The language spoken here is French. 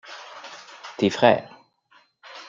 Tes frères.